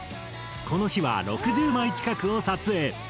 この日は６０枚近くを撮影。